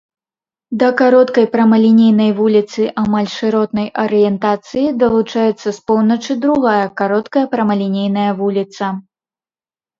Да кароткай прамалінейнай вуліцы амаль шыротнай арыентацыі далучаецца з поўначы другая кароткая прамалінейная вуліца.